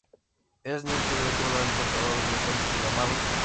Es nieto de otro gran contador de cuentos llamado